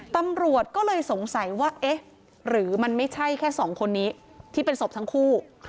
ตำรวจก็เลยสงสัยว่าเอ๊ะหรือมันไม่ใช่แค่สองคนนี้ที่เป็นศพทั้งคู่